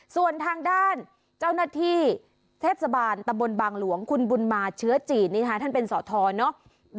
ส่วนทางด้านเจ้าหน้าที่เทศบาลตำบลบางหลวงคุณบุญมาเชื้อจีนท่านเป็นสอทรเนาะ